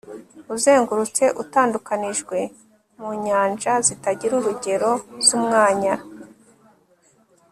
uzengurutse, utandukanijwe, mu nyanja zitagira urugero z'umwanya